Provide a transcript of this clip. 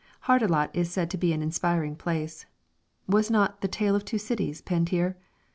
Hardelot is said to be an inspiring place. Was not the "Tale of Two Cities" penned here?